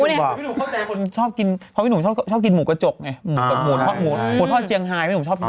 พี่หนุ่มเข้าใจคนชอบกินเพราะพี่หนุ่มชอบกินหมูกระจกไงหมูทอดเจียงไฮพี่หนุ่มชอบกิน